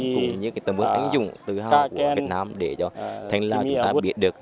cũng như tầm ứng ảnh dụng tự hào của việt nam để cho thanh niên lào chúng ta biết được